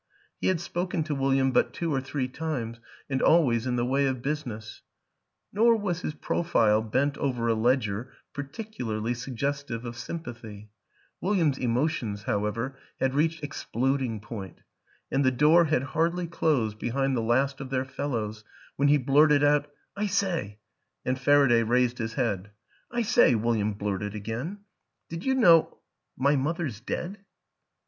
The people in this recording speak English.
He had spoken to William but two or three times and always in the way of business nor was his profile bent over a ledger particularly suggestive of sympathy; William's emotions, however, had reached exploding point, and the door had hardly closed behind the last of their fellows when he blurted out, " I say," and Faraday raised his head. u I say," William blurted again, " did you know my mother's dead?"